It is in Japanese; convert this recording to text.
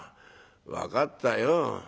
分かったよ。